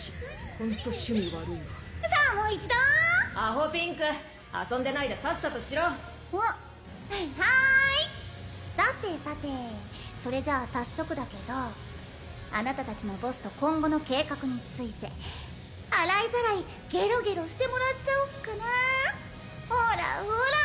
ホント趣味悪いわさあもう一度アホピンク遊んでないでさっさとしろはーいさてさてそれじゃあ早速だけどあなた達のボスと今後の計画について洗いざらいゲロゲロしてもらっちゃおっかなほらほら